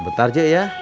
bentar cek ya